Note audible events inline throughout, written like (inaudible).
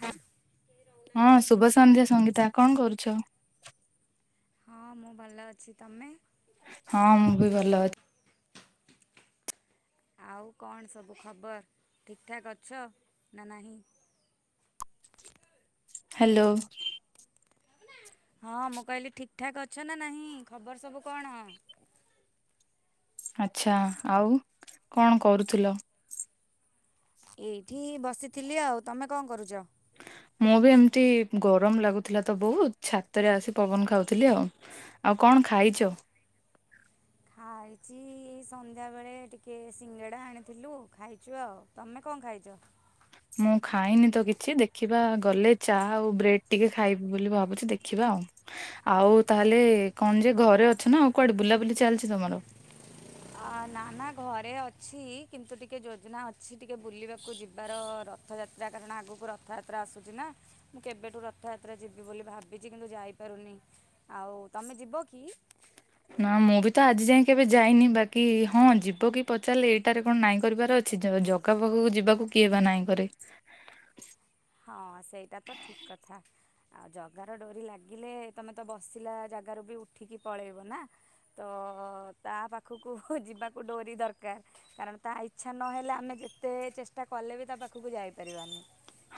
Hello ହଁ ଶୁଭ ସନ୍ଧ୍ୟା ସଙ୍ଗୀତା କଣ କରୁଚ? ହଁ ମୁଁ ଭଲ ଅଛି। ତମେ? ହଁ ମୁଁ ବି ଭଲ ଅ ଆଉ କଣ ସବୁ ଖବର ଠିକିଠାକ୍ ଅଛ ନା ନାହିଁ? ହାଲୋ। ହଁ ମୁଁ କହିଲି ଠିକଠାକ୍ ଅଛ ନା ନାହିଁ ଖବର ସବୁ କଣ? ଆଛା ଆଉ କଣ କରୁଥିଲ? ଏଇ ମୁଁ ବି ଏମିତି ଗରମ ଲାଗୁଥିଲା ତ ବହୁତ ଛାତରେ ଆସି ପବନ ଖାଉଥିଲି ଆଉ। ଆଉ କଣ? କଣ ଖାଇଚ? ଖାଇଚି ଏଇ ସନ୍ଧ୍ୟାବେଳେ ଟିକେ ସିଙ୍ଗେଡ଼ା ଆଣିଥିଲୁ ଖାଇଚୁ ଆଉ। ତମେ କଣ ଖାଇ ଚ ମୁଁ ଖାଇନି ତ କିଛି ଦେଖିବା ଗଲେ ଚାହା ଆଉ ବ୍ରେଡ ଟିକେ ଖାଇବି ବୋଲି ଭାବୁଚି। ଦେଖିବା ଆଉ। ଆଉ ତାହେଲେ କଣ ଯେ ଘରେ ଅଛ ନା ଆଉ କୁଆଡେ ବୁଲାବୁଲି ଚାଲିଚି ତମର? (inaudible) (inaudible) ଆ ନା ନା ଘରେ ଅଛି। କିନ୍ତୁ ଟିକେ ଯୋଜନା ଅଛି ଟିକେ ବୁଲିବାକୁ ଯିବାର ରଥଯାତ ଯା କାରଣ ଆଗକୁ ରଥଯାତ୍ରା ଆସୁଚି ନା। ମୁଁ କେବେଠୁ ରଥଯାତ୍ରା ଯିବି ବୋଲି ଭାବିଚି କିନ୍ତୁ ଯାଇପାରୁନି। ଆଉ, ତମେ ଯିବ କି? ନା ମୁଁ ବି ତ ଆଜି ଯାଏଁ କେବେ ଯାଇନି ବାକି ହଁ ଯିବ କି ପଚାରଲେ ଏଇଟାରେ କଣ ନାଇଁ କରିବାର ଅଛି। ଛି ଜଗା ପାଖକୁ ଯିବାକୁ କିଏ ବା ନାଇଁ କରେ। ହଁ ସେଇଟା ତ ଠିକ୍ କଥା ଆଉ ଜଗାର ଡୋରି ଲାଗିଲେ, ତମେ ତ ବସିଲା ଜାଗାରୁ ବି ଉଠିକି ପଳେଇବ ନା। ତ ତା ପାଖକୁ ଯିବାକୁ ଡୋରି ଦରକାର କାରଣ ତା ଇଚ୍ଛା ନହେଲେ ଆମେ କେତେ ଚେଷ୍ଟା କଲେ ବି ତା ପାଖକୁ ଯାଇପାରିବାନି।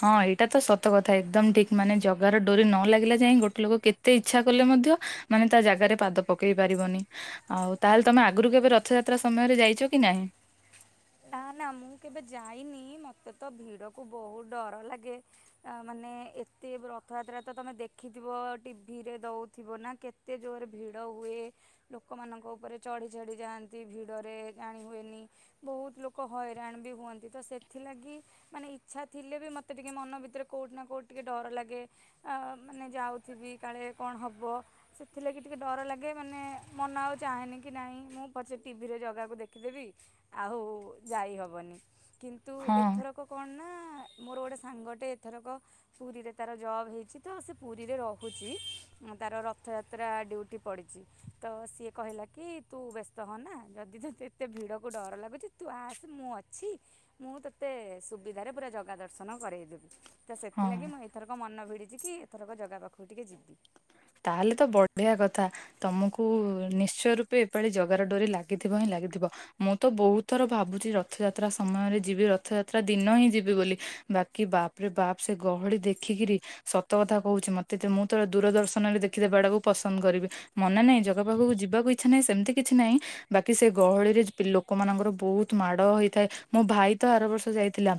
ହଁ ଏଇଟା ତ ସତ କଥା ଏକଦମ ଠିକ ମାନେ ଜଗାର ଡୋରି ନ ଲାଗିଲା ଯାଏଁ ଗୋଟେ ଲୋକ କେତେ ଇଚ୍ଛା କଲେ ମଧ୍ୟ ମାନେ ତା ଜାଗାରେ ପାଦ ପକେଇ ପାରିବନି, ଆଉ ତାହେଲେ ତମେ ଆଗରୁ କେବେ ରଥଯାତ୍ରା ସମୟରେ ଯାଇ କିଛ କି ନାହିଁ? ନା ନା ମୁଁ କେବେ ଯାଇନି, ମତେ ତ ଭିଡକୁ ବହୁତ ଡର ଲାଗେ ତା ମାନେ ଏ ତେ ରଥଯାତ୍ରା ତ ତମେ ଦେଖିଥିବ। ଟିଭିରେ ଦୋଉଥିବ ନା କେତେ ଜୋରରେ ଭିଡ଼ ହୁଏ। ଲୋକମାନଙ୍କ ଉପରେ ଚଢ଼ି ଚଢି ଯାଆନ୍ତି ଭିଡରେ ଜାଣି ହୁଏନି। ବହୁତ ଲୋକ ହଇରାଣ ବି ହୁଅନ୍ତି ତ ସେଥିଲାଗି ମାନେ ଇଚ୍ଛା ଥିଲେ ବି ମୋତେ ଟିକେ ମନ ଭିତରେ କୌ ଉଠି ନା କୋଉଠି ଟିକେ ଡର ଲାଗେ। ଆଁ ମାନେ ଯାଉଥିବି କାଳେ କଣ ହବ ସେଥିଲାଗି ଟିକେ ଡର ଲାଗେ ମାନେ ମନ ଆଉ ଚାହେଁନି କି ନାହିଁ ମୁଁ ପଛେ ଟିଭିରେ ଜାଗାକୁ ଦେଖିଦେବି ଆଉ ଯାଇହବନି। କିନ୍ତୁ ଏଥରକ କଣ ନା ହ (inaudible) ମୋର ଗୋଟେ ସାଙ୍ଗଟେ ଏଥରକ ପୁରୀରେ ତାର ଜବ ହେଇଚି ତ ସେ ପୁରୀରେ ରୋହୁଚି। ତାର ରଥଯାତ୍ରା ଡ୍ୟୁଟି ପଡ଼ିଚିତ ସିଏ କହିଲା କି ତୁ ବ୍ୟସ୍ତହୋନା ଯଦି ଏତେ ଭିଡ଼କୁ ଡର ଲାଗୁଚି। ତୁ ଆସେ ମୁଁ ଅଛି। ମୁଁ ତୋତେ ସୁବିଧାରେ ପୁରା ଜଗା ଦର୍ଶନ କରଇଦେବି। ତ ହଁ। ସେଥିଲାଗି ମୁଁ ଏଥରକ ମନ ଭିଡ଼ିଚି କି ଏଥରକ ଜଗା ପାଖକୁ ଟିକେ ଯିବି। ତାହେଲେ ତ ବଢିଆ କଥା ତମକୁ ନିଶ୍ଚୟ ରୂପେ ଏପାଳି ଜଗାରେ ଡୋରି ଲାଗିଥିବ ହିଁ ଲା ଗିଥିବ ମୁଁ ତ ବୋହୁତ ଥର ଭାବୁଚି ରଥଯାତ୍ରା ସମୟରେ ଯିବି, ରଥଯାତ୍ରା ଦିନ ହିଁ ଯିବି ବୋଲି ବାକି ବାପରେ ବାପ ସେ ଗହଳି ଦେଖିକିରି ସତ କଥା କହୁଚି, ମତେ ମୁଁ ତ ଦୂରଦର୍ଶ ମନରେ ଦେଖିଦବାଡାକୁ ପସନ୍ଦ କରିବି, ମନେ ନାହିଁ ଜଗା ପାଖକୁ ଯିବାକୁ ଇଚ୍ଛା ନାହିଁ ସେମିତି କିଛି ନାହିଁ, ବାକି ସେ ଗହଳିରେ ଲୋକମାନଙ୍କର ବହୁତ ମାଡ ହେଇଥାଏ, ମୋ ଭାଇ ତ ଆର ବର୍ଷ ଯାଇଥିଲା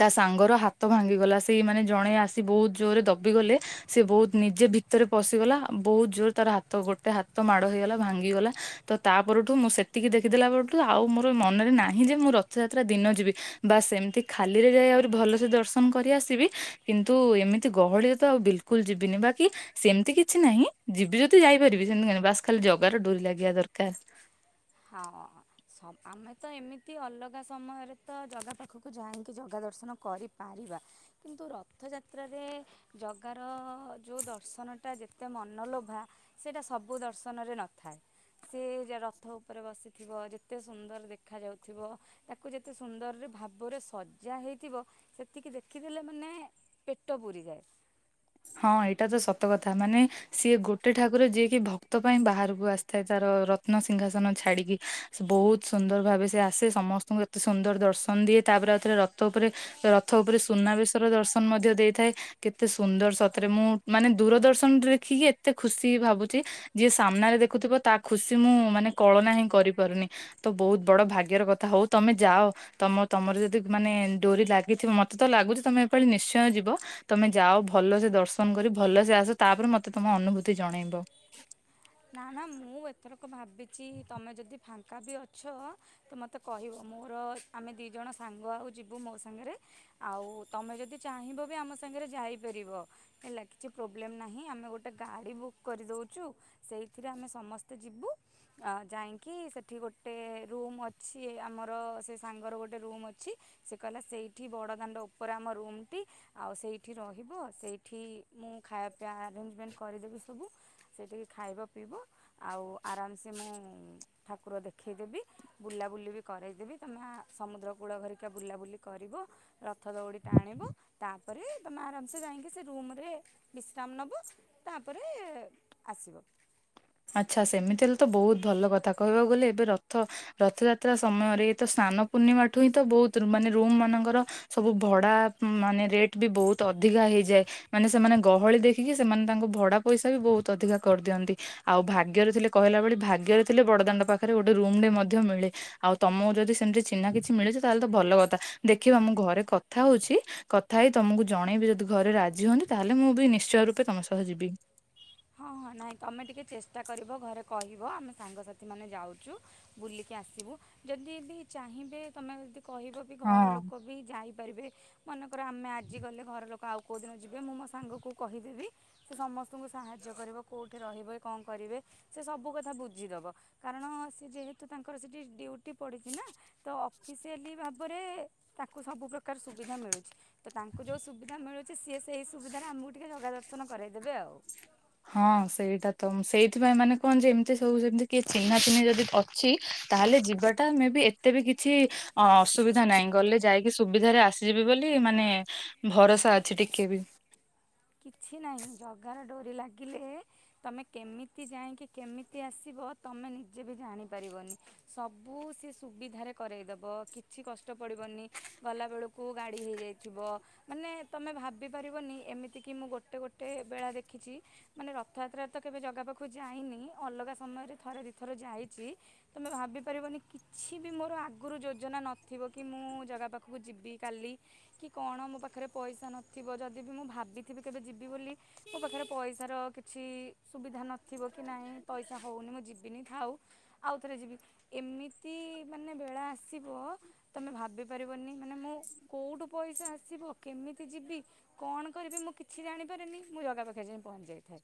ତା ସାଙ୍ଗର ହାତ ଭାଙ୍ଗିଗଲା, ସେଇମାନେ ଜଣେ ଆସି ବହୁତ ଜୋରରେ ଦବିଗଲେ ସେ ବହୁତ ନିଜେ ଭି ଭିତରେ ପଶିଗଲା, ବହୁତ ଜୋର ତାର ହାତ ଗୋଟେ ହାତ ମାଡ ହେଇଗଲା ଭାଙ୍ଗିଗଲା, ତ ତା ପରଠୁ ମୁଁ ସେ ତିକି ଦେଖିଦେଲା ପରଠୁ ଆଉ ମୋର ମନରେ ନାହିଁ ଯେ ମୁଁ ରଥଯାତ୍ରା ଦିନ ଯିବି ବା ସେମିତି ଖାଲିରେ ଯାଇ ଆହୁରି ଭଲସେ ଦର୍ଶନ କରି ଆସିବି କିନ୍ତୁ ଏମିତି ଗହଳିରେ ତ ଆଉ ବିଲକୁଲ ଯିବିନି ବାକି ସେମତି କିଛି ନାହିଁ, ଯିବି ଯଦି ଯାଇପାରିବି ସେମିତି ବାସ୍ ଖାଲି ଜଗାରେ ଡୋରି ଲାଗିବା ଦରକାର। ହଁ ଆମେ ତ ଏମିତି ଅଲଗା ସମୟରେ ତ ଜଗା ପାଖକୁ ଯାଇଁକି ଜଗା ଦର୍ଶନ କରିପାରିବା, କିନ୍ତୁ ରଥଯାତ୍ରାରେ ଜଗାର ଯୋଉ ଦର୍ଶନ ଟା ଯେତେ ମନଲୋଭା ସେଟା ସବୁ ଦର୍ଶନରେ ନ ଥାଏ। ସେ ଯାର ରଥ ଉପରେ ବସିଥିବ, ଯେତେ ସୁନ୍ଦର ଦେଖାଯାଉଥିବ, ତାକୁ ଯେତେ ସୁନ୍ଦର ବି ଭାବରେ ସଜା ଯାହା ହେଇଥିବ, ସେତିକି ଦେଖିଦେଲେ ମାନେ ପେଟ ପୁରିଯାଏ। ହଁ ଏଇଟା ତ ସତ କଥା। ମାନେ ସିଏ ଗୋଟେ ଠାକୁର ଯିଏ କି ଭକ୍ତ ପାଇଁ ବାହାରକୁ ଆସିଥାଏ ତାର ରତ୍ନସିଂହାସନ ଛାଡିକି। ବହୁତ ସୁନ୍ଦର ଭାବେ ସେ ଆସେ ସମସ୍ତଙ୍କୁ ଏତେ ସୁନ୍ଦର ଦର୍ଶନ ଦିଏ ତାପରେ ଆଉ ଥରେ ରଥ ଉପରେ ରଥ ଉପରେ ସୁନାବେଶର ଦର୍ଶନ ମଧ୍ୟ ଦେଇଥାଏ। କେତେ ସୁନ୍ଦର ସତରେ ମୁଁ ମାନେ ଦୂରଦର୍ଶନରେ ଦେଖିକି ଏତେ ଖୁସି ଭାବୁଛି। ଯିଏ ସାମ୍ନାରେ ଦେଖୁଥିବ ତା ଖୁସି ମୁଁ ମାନେ କଳନା ହିଁ କରିପାରୁନି। ତ ବହୁତ ବଡ ଭାଗ୍ୟର କଥା, ହଉ ତମେ ଯାଅ ତମ ତ ତମର ଯଦି ମାନେ ଡୋରି ଲାଗିଥିବ, ମତେ ତ ଲାଗୁଛି ତମେ ଏଇପାଳି ନିଶ୍ଚୟ ଯିବ। ତମେ ଯାଅ ଭଲ ସେ ଦର୍ଶନ କରି ଭଲସେ ଆସ, ତାପରେ ମତେ ତମ ଅନୁଭୂତି ଜଣେଇବ। ନା ନା ମୁଁ ଏଥରକ ଭାବିଚି ତମେ ଯଦି ଫାଙ୍କା ବି ଅଛ ତ ମୋତେ କହିବ ମୋର ଆମେ ଦୁଇ ଜଣ ସାଙ୍ଗ ଆଉ ଯିବୁ ମୋ ସାଙ୍ଗରେ, ଆଉ ତମେ ଯଦି ଚାହିଁବ ବି ଆମ ସାଙ୍ଗ ରେ ଯାଇପାରିବ, ହେଲା କିଛି ପ୍ରୋବ୍ଲେମ୍ ନାହିଁ। ଆମେ ଗୋଟେ କାର ବି ବୁକ୍ କରିଦଉଚୁ ସେଇଥିରେ ଆମେ ସମସ୍ତେ ଯିବୁ, ଯାଇଁକି ସେଠି ଗୋଟେ ରୁମ୍ ଅଛି ଆମ ର ସେ ସାଙ୍ଗର ଗୋଟେ ରୁମ୍ ଅଛି, ସେ କହିଲା ସେଇଠି ବଡ଼ଦାଣ୍ଡ ଉପରେ ରୁମ୍ ଟି ଆଉ ସେଇଠି ରହିବ, ସେଇଠି ମୁଁ ଖାଇବା ପିଇବା ଆରେଞ୍ଜମେଣ୍ଟ କରିଦେବି ସବୁ ସେଇଠି ଖାଇବ ପିଇବ ଆଉ ଆରାମସେ ମୁଁ ଠାକୁର ଦେଖେଇ ଦେବି, ବୁଲାବୁଲି ବି କରାଇଦେବି ତମେ ସମୁଦ୍ର କୂଳ ଘେରିକା ବୁଲାବୁଲି କରିବ, ରଥ ଦଉଡ଼ି ଟାଣିବ, ତାପରେ ତାପରେ ତମେ ଆରାମସେ ଯାଇଁକି ସେ ରୁମରେ ବିଶ୍ରାମ ନବ, ତାପରେ ଆସିବ। ଆଚ୍ଛା ସେମିତି ହେଲେ ତ ବହୁତ ଭଲ କଥା। କହିବାକୁ ଗଲେ ଏବେ ରଥ ରଥଯାତ୍ରା ସମୟରେ ଏଇତ ସ୍ନା ସାନ୍ନପୂର୍ଣ୍ଣିମା ଠୁ ହିଁ ତ ବହୁତ ମାନେ ରୁମ୍ ମାନଙ୍କର ସବୁ ଭଡା ମାନେ ରେଟ୍ ବି ବହୁତ ଅଧିକ ଅଧିକା ହେଇଯାଏ। ମାନେ ସେମାନେ ଗହଳି ଦେଖିକି ସେମାନେ ତାଙ୍କ ଭଡା ପଇସା ବି ବହୁତ ଅଧିକା କରିଦିଅନ୍ତି। ଆଉ ଭାଗ୍ୟରେ ଥିଲେ କହିଲା ଭଳି ଭାଗ୍ୟରେ ଥିଲେ ବଡଦାଣ୍ଡ ପାଖରେ ଗୋଟେ ରୁମରେ ମଧ୍ୟ ମିଳେ। ଆଉ ତମକୁ ଯଦି ସେମ ତି ଚିହ୍ନା କିଛି ମିଳୁଚି ତାହେଲେ ତ ଭଲ କଥା। ଦେଖିବା ମୁଁ ଘରେ କଥା ହଉଛି, କଥା ହେଇ ତମକୁ ଜଣେଇବି ଯଦି ଘରେ ରାଜି ହୁଅନ୍ତି, ତାହେଲେ ମୁଁ ବି ନିଶ୍ଚୟ ରୂପେ ତମ ସହ ଯିବି। ନାହିଁ ତମେ ଟିକେ ଚେଷ୍ଟା କରିବ, ଘରେ କହିବ, ଆମେ ସାଙ୍ଗସାଥି ମାନେ ଯାଉଚୁ, ବୁଲିକି ଆସିବୁ ଯଦି ବି ଚାହିଁବେ, ତମେ ଯଦି କହିବ ବି ଘର ହଁ। ଲୋକ ବି ଯାଇ ଯାଇ ପାରିବେ। ମନେକର ଆମେ ଆଜି ଗଲେ ଘର ଲୋକ ଆଉ କୋଉଦିନ ଯିବେ ମୁଁ ମୋ ସାଙ୍ଗ କୁ କହିଦେବି, ସେ ସମସ୍ତଙ୍କୁ ସାହାଯ୍ୟ କରିବ, କୋଉଠି ରହିବେ, କଣ କରିବେ, ସେ ସବୁ କଥା ବୁଝିଦବ। କାରଣ ସେ ଯେହେତୁ ତାଙ୍କର ସେଠି ଡ୍ୟୁଟି ପଡ଼ିଚି ନା, ତ ଅଫିସିଆଲି ଭାବରେ ତାକୁ ସବୁ ପ୍ରକାର ସୁବିଧା ମିଳୁଛି। ତ ତାଙ୍କୁ ଯୋଉ ସୁବିଧା ମିଳୁଛି, ସିଏ ସେଇ ସୁବିଧାରେ ଆମକୁ ଟିକେ ଜଗା ଦର୍ଶନ କରାଇଦେବେ ଆଉ। ହଁ ସେଇଟା ତ ସେଇଥିପାଇଁ ମାନେ କଣ ଯେ ଏମିତି ସବୁ ସେମତି କିଏ ଚିହ୍ନା ଚିହ୍ନି ଯଦି ଅଛି ତାହେଲେ ଯିବାଟା ମେ ବି ଏତେ ବି କିଛି ଅ ଅସୁବିଧା ନାହିଁ, ଗଲେ ଯାଇକି ସୁବିଧାରେ ଆସିଯିବି ବୋଲି ମାନେ ଭରସା ଅଛି ଟିକେ ବି। କିଛି ନାହିଁ ଜଗାର ଡୋରି ଲାଗିଲେ ତମେ କେମିତି ଯାଇକି କେମିତି ଆସି ବ ତମେ ନିଜେ ବି ଜାଣି ପାରିବନି। ସବୁ ସିଏ ସୁବିଧାରେ କରେଇଦବ କିଛି କଷ୍ଟ ପଡିବନି ଗଲାବେଳକୁ ଗାଡି ହେଇଯାଇଥିବ, ମାନେ ତମେ ଭାବି ପାରିବନି ଏମିତି କି ମୁଁ ଗୋଟେ ଗୋଟେ ବେଳା ଦେଖିଛି, ମାନେ ରଥଯାତ୍ରା ତ କେବେ ଜାଗା ପାଖକୁ ଯାଇନି, ଅଲଗା ସମୟ ରେ ଥରେ ଦିଥର ଯାଇଚି, ତମେ ଭାବି ପାରିବନି କିଛି ବି ମୋର ଆଗରୁ ଯୋଜନା ନ ଥିବ କି ମୁଁ ଜଗା ପାଖକୁ ଯିବି କାଲି, କି କଣ ମୋ ପାଖରେ ପଇସା ନଥିବ ଯଦି ବି ମୁଁ ଭାବିି ଥିବି‌ କେବେ ଯିବି ବୋଲି, ମୋ ପାଖରେ ପଇସାର କିଛି ସୁବିଧା ନଥିବ କି ନାହିଁ ପଇସା ହଉନି ଯିବି ନି ଯାଉ ଆଉ ଥରେ ଯିବି ଏମିତି ମାନେ ବେଳା ଅସିଵ ତମେ ଭାବିପାରିବନି ମାନେ ମୁଁ, କେଉଁଠି ପଇସା ଆସିବ କେମିତି ଯିବି କଣ କରିବି ମୁଁ କିଛିି ଜାଣି ପାରେ ନି ମୁଁ ଜାଗା ପାଖ ରେ ଯାଇ ପହଞ୍ଚି ଯାଇଥି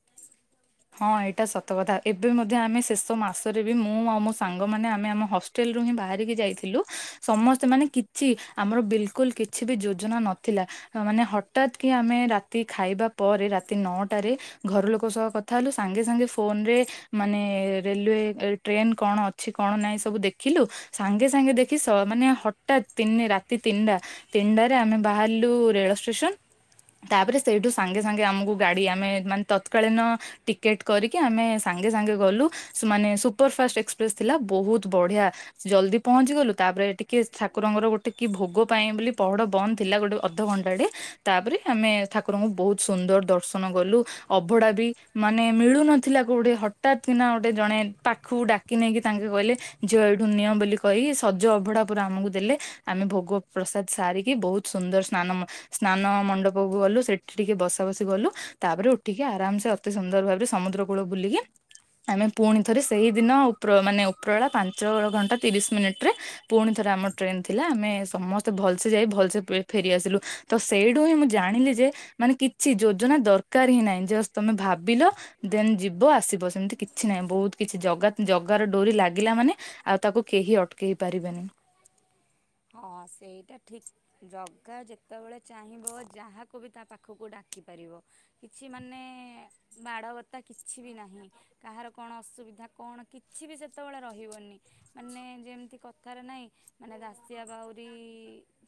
ହଁ ଏଇଟା ସତ କଥା ଏବେ ମଧ୍ୟ ଆମେ ଶେଷ ମାସରେ ବି ମୁଁ ଆଉ ମୋ ସାଙ୍ଗମାନେ ଆମେ ଆମ ହଷ୍ଟେଲ ହିଁ ବାହାରିକି ଯାଇଥିଲୁ ସମସ୍ତେ ମାନେ କିଛି ଆମର ବିଲକୁଲ କିଛି ବି ଯୋଜନା ନଥିଲା ମାନେ ହଠାତ୍ କି ଆମେ ରାତି ଖାଇବା ପରେ ରାତି ନଅଟାରେ ଘର ଲୋକ ସହ କଥା ଥା ହେଲେ ସାଙ୍ଗେ ସାଙ୍ଗେ ଫୋନ ରେ ମାନେ ରେଲୱେ ଟ୍ରେନ କଣ ଅଛି କଣ ନାହିଁ ସବୁ ଦେଖି ଲୁ ସାଙ୍ଗେ ସାଙ୍ଗେ ଦେଖି ସ ମାନେ ହଠାତ୍ ତିନ ରାତି ତିନିଟା ତିନିଟାରେ ଆମେ ବାହାଲୁ। କୁ ରେଳ ଷ୍ଟେସନ। ତାପରେ ସେଇଠୁ ସାଙ୍ଗେ ସାଙ୍ଗେ ଆମକୁ ଗାଡି ଆମେ ମାନେ ତତକାଳୀନ ଟିକେଟ୍ କରିକି ଆମେ ସାଙ୍ଗେ ସାଙ୍ଗେ ଗଲୁ। ସେମାନେ ସୁପର ଫାଷ୍ଟ ଏକ୍ସପ୍ରେସ ଥିଲା। ବହୁତ ବଢ଼ିଆ ଜଲଦି ପହଞ୍ଚି ଗଲୁ। ତାପରେ ଟିକେ ଠାକୁରଙ୍କର ଗୋଟେ କି ଭୋଗ ପାଇଁ ବୋଲି ପହଡ ବନ୍ଦ ଥିଲା। ଗୋଟେ ଅଧ ଅଧ ଘଣ୍ଟାଡେ ତାପରେ ଆମେ ଠାକୁରଙ୍କୁ ବହୁତ ସୁନ୍ଦର ଦର୍ଶନ କଲୁ। ଅଭଢା ବି ମାନେ ମିଳୁନଥିଲା କୋଉଠି। ହଠାତ୍ କିନା ଗୋଟେ ଜଣେ ପାଖକୁ ଡାକି ନେଇକି ତାଙ୍କେ କହିଲେ। ଝିଅ ଏଠୁ ନିଅ ବୋଲି କହିିକି ସଜ ଅଭଡା ପୁରା ଆମକୁ ଦେଲେ। ଆମେ ଭୋଗ ପ୍ରସାଦ ସାରିକି ବହୁତ ସୁନ୍ଦର ସ୍ନାନ ମ ସ୍ନାନ ମଣ୍ଡପକୁ ଗଲୁ ସେଠି ଟିକେ ବସା ବସି କଲୁ। ତାପରେ ଉଠିକି ଆରାମସେ ଏତେ ସୁନ୍ଦର ଭାବରେ ସମୁଦ୍ର କୂଳ ବୁଲିକି ଆମେ ପୁଣି ଥରେ ସେଇଦିନ ଉପ୍ର ମାନେ ଉପରଳା ପାଞ୍ଚ ଘଣ୍ଟା ତିରିଶ ମିନିଟରେ ପୁଣି ଥରେ ଆମର ଟ୍ରେନ ଥିଲା ଆମେ ସମସ୍ତେ ଭଲସେ ଯାଇ ଭଲସେ ପେ ଫେରି ଆସିଲୁ। ତ ସେଇଠୁ ହିଁ ମୁଁ ଜାଣିଲି ଯେ ଲେ। ମାନେ କିଛି ଯୋଜନା ଦରକାର ହିଁ ନାଇଁ। ଜଷ୍ଟ ତମେ ଭାବ ବିଲୋ ଦେନ୍ ଯିବ ଆସିବ, ସେମିତି କିଛି ନାହିଁ। ବହୁତ କିଛି ଜଗା ଜଗାର ଡୋରି ଲା ଲାଗିଲା ମାନେ ଆଉ ତାକୁ କେହି ଅଟକେଇ ପାରିବେନି। ଠିକ। ଜଗା ଯେତେବେଳେ ଚାହିଁବ ଯାହାକୁ ବି ତା ପାଖକୁ ଡାକିପାରିବ। କିଛି (unintelligible) ଯେତେବେଳେ ରହିବନି ଇଁ। ମାନେ ଯେମିତି କଥାରେ ନାଇଁ, ମାନେ ଦାସୀଆ ବାଉରୀ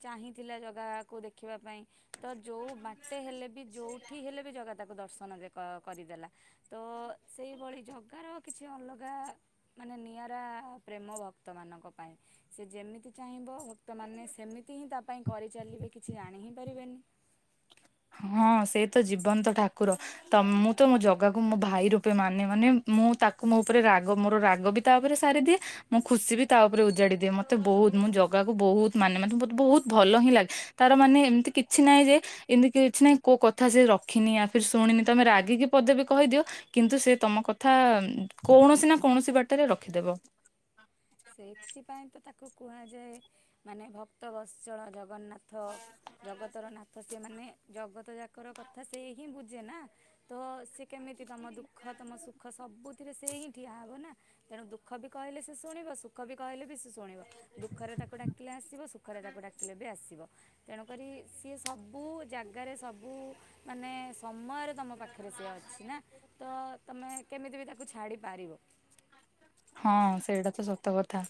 ଚାହିଁଥିଲା ଜଗା ଗା କୁ ଦେଖିବା ପାଇଁ। ତ ଯୋଉ ବାଟେ ହେଲେ ବି ଯୋଉଠି ହେଲେ ବି ଜଗା ତାକୁ ଦର୍ଶନ ଦେବେ। କ କରିଦେଲା। ତ ସେଇଭଳି ଜଗାର କିଛି ଅଲଗା ମାନେ ନିଆରା ପ୍ରେମ ଭକ୍ତ ମାନଙ୍କ ପାଇଁ। ସେ ଯେମିତି ଚାହିଁବ ଭକ୍ତମାନେ ସେମିତି ହିଁ ତା ପାଇଁ କରିଚଲିଲେ କିଛି ଜାଣି ହିଁ ପାରିବେନି। ହଁ ସେତ ଜୀବନ୍ତ ଠାକୁର। ତ ମୁଁ ତ ମୋ ଜଗାକୁ ମୋ ଭାଇ ରୂପେ ମାନେ ମାନେ ମୁଁ ତାକୁ ମୋ ଉପରେ ରାଗ ମୋର ରାଗ ବି ତା ଉପରେ ସାରିଦିଏ। ମୁଁ ଖୁସି ବି ତା ଉପରେ ଉଜାଡି ଦିଏ। ମତେ ବହୁତ ମୁଁ ଜଗା କୁ ବହୁତ ମାନେ। ମାନେ ମତେ ବହୁତ ଭଲ ହିଁ ଲାଗେ। ତାର ମାନେ ଏମିତି କିଛି ନାହିଁ ଯେ ଏମିତି କିଛି ନାଇଁ କୋଉ କଥା ସେ ରଖିନି ଆ ଫିର ଶୁଣିନି। ତମେ ରାଗିକି ପଦେବୀ କହିଦିଅ କିନ୍ତୁ ସେ ତମ କଥା କୌଣସି ନା କୌଣସି ବାଟରେ ରଖିଦେବ। କୁ କୁହାଯାଏ ମାନେ ଭକ୍ତ ବସଚଳ ଜଗନ୍ନାଥ। ଥ ଜଗତର ନାଥ ସେ ମାନେ ଜଗତ ଯାକର କଥା ସେଇ ହିଁ ବୁଝେ ନା। ତ ସେ କେମିତି ତମ ଦୁଃଖ ତମ ସୁଖ ସବୁଥିରେ ସେ ହିଁ ଠିଆ ହବ ନା। ତେଣୁ ଦୁଃଖ ବି କହିଲେ ସେ ଶୁଣିବ। ସୁଖ ବି କହିଲେ ବି ଶୁ ଶୁଣିବ। ଦୁଃଖରେ ତାକୁ ଡାକିଲେ ଆସିବ। ସୁଖରେ ତାକୁ ଡାକିଲେ ବି ଆସିବ। ତେଣୁକରି ସିଏ ସବୁ ଜାଗାରେ ସବୁ ମାନେ ସ ସମୟରେ ତମ ପାଖରେ ସିଏ ଅଛି। ନା ତ ତମେ କେମିତି ବି ତାକୁ ଛାଡ଼ି ପାରିବ। ଆସ୍ଥା ଅଛି। ହଁ ସେଇଟା ତ ସତ କଥା।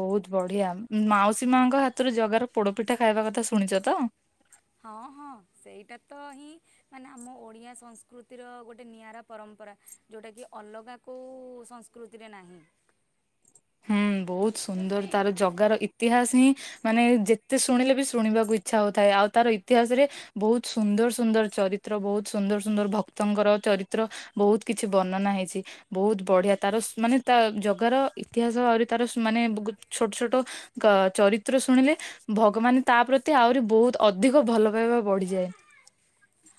ବହୁତ ବଢିଆ ମାଉସୀ ମାଙ୍କ ହାତରେ ଜଗାର ପୋଡପିଠ (unintelligible) ଖାଇବା କଥା ଶୁଣିଛ ତ? ହଁ ହଁ। ସେଇଟା ତ ହିଁ ମାନେ ଆମ ଓଡ଼ିଆ ସଂସ୍କୃତିର ଗୋଟେ ନିଆରା ପରମ୍। ପରା। ଯୋଉଟା କି ଅଲଗା କୋଉଁ ସଂସ୍କୃତିରେ ନାହିଁ। (inaudible) ହୁଁ ବହୁତ ସୁନ୍ଦର। ତାର ଜଗାର ଇତିହାସ ହିଁ ମାନେ ଯେତେ ଶୁଣିଲେ ବି ଶୁଣିବାକୁ ଇଛା ହଉଥାଏ। ଆଉ ତାର ଇତିହାସରେ ବହୁତ ସୁନ୍ଦର ସୁନ୍ଦର ଚରିତ୍ର। ବହୁତ ସୁନ୍ଦର, ସୁନ୍ଦର ଭକ୍ତଙ୍କର ଚରିତ୍ର ବହୁତ କିଛି ବର୍ଣ୍ଣନା ହେଇଛି। ବହୁତ ବଢିଆ। ତାର ଶୁ ମାନେ ତା ଜଗାର ଇତିହାସ ଆହୁରି ତାର ମାନେ ଛୋଟ ଛୋଟ କ ଚରିତ୍ର ଶୁଣିଲେ ଭଗବାନ ତା ପ୍ରତି ଆହୁରି ବହୁତ ଅଧିକ ଭଲ ପାଇବା ବଢିଯାଏ।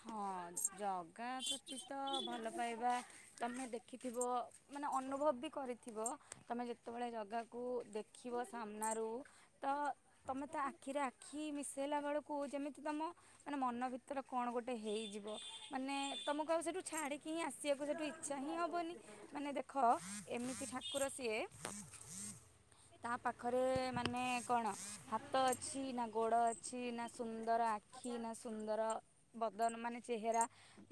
ହଁ ଜଗା ପ୍ରତି ତ ଭଲ ପାଇବା ତୁମେ ଦେଖିଥିବ ମାନେ ଅନୁଭବ ବି କରିଥିବ ତୁମେ ଯେତେବେଳେ ଜାଗାକୁ ଦେଖିବ ସାମ୍ନାରୁ ତ ତମେ ତା ଆଖିରେ ଆଖି ମିଶାଇଲା ବେଳକୁ ଯେମିତି ତମ ମାନେ ମନ ଭିତରେ କଣ ଗୋଟେ ହେଇଯିବ ମାନେ ତମକୁ ଆଉ ସେଠୁ ଛାଡିକି ହିଁ ଆସିବାକୁ ସେଠୁ ଇଚ୍ଛା ହିଁ ହବନି ମାନେ ଦେଖ ଏମିତି ଠାକୁର ସିଏ ତା ପାଖରେ ମାନେ କଣ ହାତ ଅଛି ନା ଗୋଡ ଅଛି ନା ସୁନ୍ଦର ଆଖି ନା ସୁନ୍ଦର ମାନେ ଚେହେରା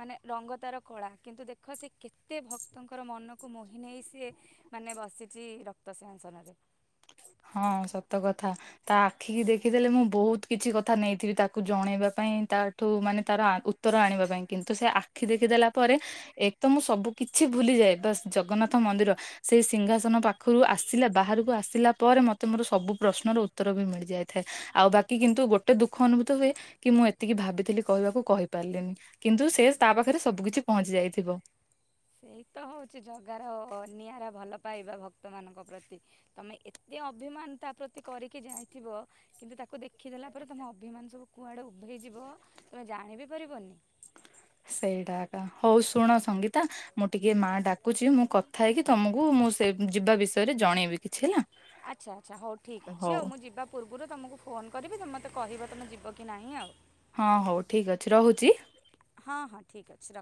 ମାନେ ଲଙ୍ଗ ତାର କଳା କିନ୍ତୁ, ଦେଖ ସେ କେତେ ଭକ୍ତଙ୍କର ମନକୁ ମୋହି ନେଇ ସି ମାନେ ବସିଛି ରତ ତା ସିଂହନସନରେ (inaudible) ହଁ ସତ କଥା ତା ଆଖି କି ଦେଖିଦେଲେ ମୁଁ ବହୁତ କିଛି କଥା ନେଇଥିବି ତାକୁ ଜଣେଇବା ପାଇଁ ତାଠୁ ମାନେ ତାର ଉତ୍ତର ଆଣିବା ପାଇଁ କିନ୍ତୁ ସେ ଆଖି ଦେଖିଦଲା ପରେ ଏକତ ମୁଁ ସବୁ କିଛି ଭୁଲିଯାଏ ବାସ ଜଗନ୍ନାଥ ମନ୍ଦିର ସେଇ ସିଂହାସନ ପାଖରୁ ଆସିଲା ବାହାରକୁ ଆସିଲା ପରେ ମତେ ମୋର ସବୁ ପ୍ରଶ୍ନର ଉତ୍ତର ବି ମିଳି ଯାଇଥାଏ ଆଉ ବାକି କିନ୍ତୁ ଗୋଟେ ଦୁଖ ଅନୁଭୂତ ହୁଏ କି ମୁଁ ଏତିକି ଭାବିଥିଲି କହିବାକୁ କହିପାରିଲିନି କିନ୍ତୁ ସେ ତା ପାଖରେ ସବୁ କିିଛି ପହଞ୍ଚି ଯାଇଥିବ। ସେଇ ତ ହଉଛି ଜଗାର ନିଆରା ଭଲ ପାଇବା ଭକ୍ତମାନାନଙ୍କ ପ୍ରତି ତମେ ଏତେ ଅଭିମାନ ତା ପ୍ରତି କରିକି ଯାଇଥିବ କିନ୍ତୁ ତାକୁ ଦେଖ ଲିଖିଦେଲା ପରେ ତୁମ ଅଭିମାନ ସବୁ କୁଆଡ଼େ ଉଭେଇଯିବ ତୁମେ ଜାଣି ବି ପାରିବନି ସେଇଟା ହଉ ଶୁଣ ସଙ୍ଗୀତା ମୁଁ ଟିକେ ମାଆ ଆଜ୍ଞା। ଡାକୁଛି ମୁଁ କଥା ହେଇକି ତମକୁ ମୁଁ ସେ ଯିବା ବିଷୟରେ ଜଣେଇବି କିଛି ହେଲା? ଆଚ୍ଛା ଆଚ୍ଛା ହଉ ଠିକ୍ ଅଛି ହଉ ମୁଁ ଯିବା ପୂର୍ବରୁ ତୁମକୁ ଫୋନ୍ କରିବି ତୁ ମୋତେ କହିବ ତୁମେ ଯିବ କି ନାହିଁ ଆଉ। ହଁ ହଉ ଠିକ ଅଛି ରହୁଛି। ହଁ ହଁ ଠିକ୍ ଅଛି ରଖ।